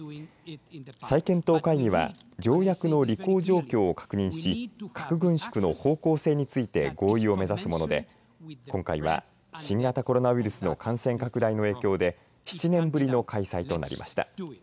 再検討会議は条約の履行状況を確認し核軍縮の方向性について合意を目指すもので今回は、新型コロナウイルスの感染拡大の影響で７年ぶりの開催となりました。